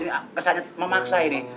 ini kesan memaksa ini